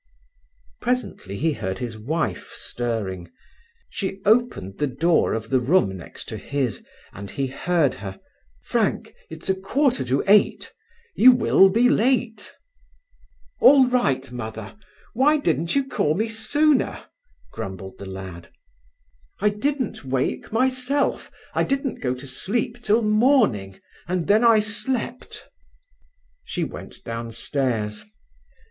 Presently he heard his wife stirring. She opened the door of the room next to his, and he heard her: "Frank, it's a quarter to eight. You will be late." "All right, Mother. Why didn't you call me sooner?" grumbled the lad. "I didn't wake myself. I didn't go to sleep till morning, and then I slept." She went downstairs.